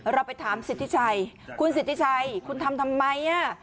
เราไปถามสิทธิชัยคุณสิทธิชัยคุณทำทำไม